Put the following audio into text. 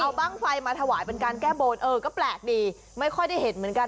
เอาบ้างไฟมาถวายเป็นการแก้บนเออก็แปลกดีไม่ค่อยได้เห็นเหมือนกัน